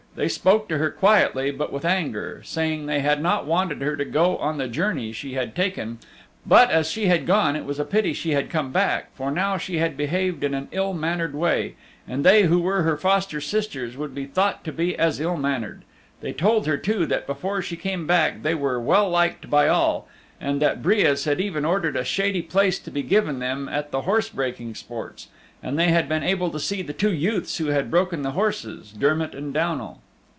They spoke to her quietly, but with anger, saying they had not wanted her to go on the journey she had taken, but, as she had gone it was a pity she had come back, for now she had behaved in an iii mannered way, and they who were her foster sisters would be thought to be as ill mannered; they told her too that before she came back they were well liked by all, and that Breas had even ordered a shady place to be given them at the horse breaking sports, and they had been able to see the two youths who had broken the horses, Dermott and Downal.